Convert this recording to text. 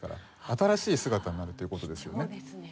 新しい姿になるっていう事ですよね。